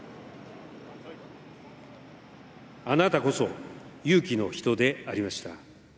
あなたこそ、勇気の人でありました。